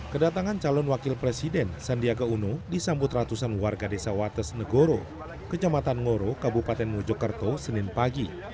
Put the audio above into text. kedatangan calon wakil presiden sandiaga uno disambut ratusan warga desa watesnegoro kecepatan ngoro kabupaten mujukerto senin pagi